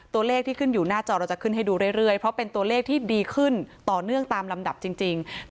ตัวเลขที่ขึ้นอยู่หน้าจอเราจะขึ้นให้ดูเรื่อยเพราะเป็นตัวเลขที่ดีขึ้นต่อเนื่องตามลำดับจริง